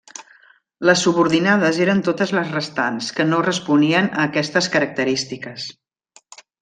Les subordinades eren totes les restants, que no responien a aquestes característiques.